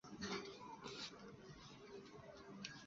年龄限制是怎样